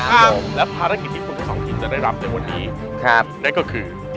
ครับผมและภารกิจที่คุณทั้งสองทีมจะได้รับในวันนี้ครับนั่นก็คือ